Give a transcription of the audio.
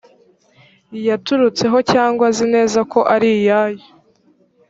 yaturutseho cyangwa azi neza ko ari iyayo